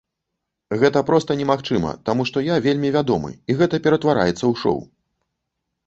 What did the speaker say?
Гэта проста немагчыма, таму што я вельмі вядомы, і гэта ператвараецца ў шоў.